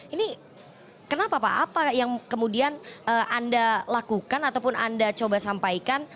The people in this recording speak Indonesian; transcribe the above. ini kenapa pak apa yang kemudian anda lakukan ataupun anda coba sampaikan